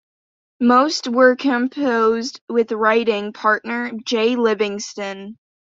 Most were composed with writing partner Jay Livingston.